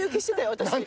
私。